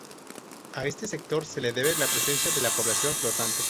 A este sector se debe la presencia de la población flotante.